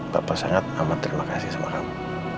bapak sangat amat terima kasih sama kamu